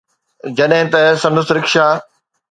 جڏهن ته سندس رڪشا